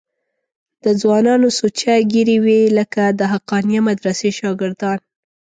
د ځوانانو سوچه ږیرې وې لکه د حقانیه مدرسې شاګردان.